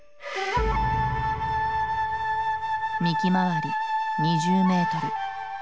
幹回り２０メートル。